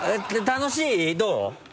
楽しい？どう？